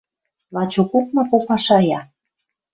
Лачокок ма попа шая: